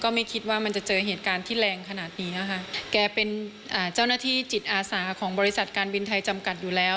ไม่คิดว่ามันจะเจอเหตุการณ์ที่แรงขนาดนี้ค่ะแกเป็นอ่าเจ้าหน้าที่จิตอาสาของบริษัทการบินไทยจำกัดอยู่แล้ว